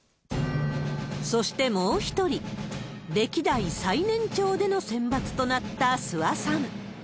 そしてもう一人、歴代最年長での選抜となった諏訪さん。